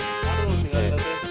aduh tinggalin aja